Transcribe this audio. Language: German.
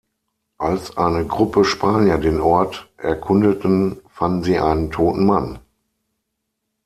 Als eine Gruppe Spanier den Ort erkundeten, fanden sie einen toten Mann.